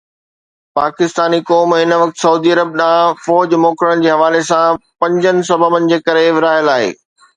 پاڪستاني قوم هن وقت سعودي عرب ڏانهن فوج موڪلڻ جي حوالي سان پنجن سببن جي ڪري ورهايل آهي.